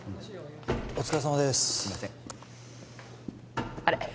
お疲れさまですあれ？